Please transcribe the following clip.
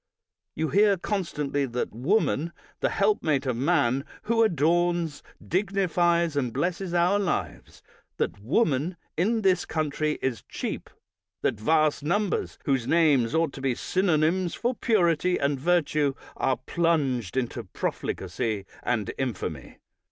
You hear constantly that woman, the helpmate of man, who adorns, dignifies, and blesses our lives, that woman in this country is cheap ; that vast numbers whose names ought to be synonyms for purity and virtue, are plunged into profligacy and infamy.